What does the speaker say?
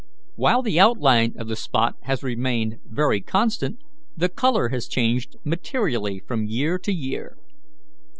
While the outline of the spot has remained very constant, the colour has changed materially from year to year.